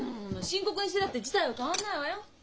深刻にしてたって事態は変わんないわよ。